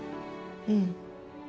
うん。